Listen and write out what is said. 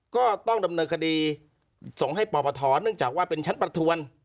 ก็ต้องดำเนินคดีส่งให้ปปทเนื่องจากว่าเป็นชั้นประทวน